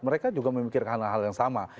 mereka juga memikirkan hal hal yang sama